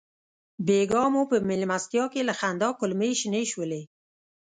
بېګا مو په مېلمستیا کې له خندا کولمې شنې شولې.